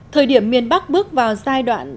thời điểm miền bắc bước vào giai đoạn